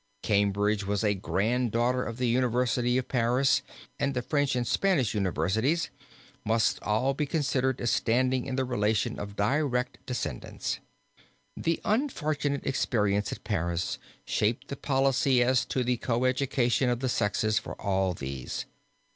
Cambridge was a grand daughter of the University of Paris and the French and Spanish universities must all be considered as standing in the relation of its direct descendants. The unfortunate experience at Paris shaped the policy as to the co education of the sexes for all these.